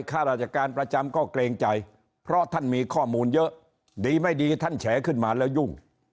ข้าราชการประจำก็เกรงใจเพราะท่านมีข้อมูลเยอะดีไม่ดีท่านแฉขึ้นมาแล้วยุ่ง